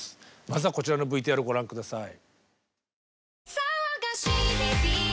まずはこちらのＶＴＲご覧下さい。